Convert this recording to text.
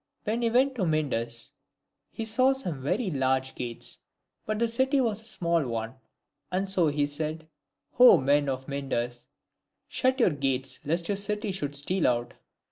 When he went to Myndus, he saw some very large gates, but the city was a small one, and so he said, " Oh men of Myndus, shut your gates, lest your city should steal out."